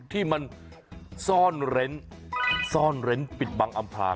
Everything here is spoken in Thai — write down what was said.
ที่มันซ่อนเล้นปิดบังอำพลาณ